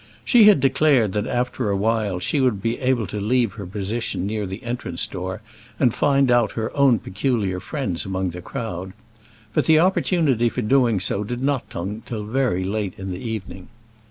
She had declared that after awhile she would be able to leave her position near the entrance door, and find out her own peculiar friends among the crowd; but the opportunity for doing so did not come till very late in the evening.